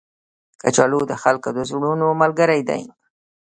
کچالو د خلکو د زړونو ملګری دی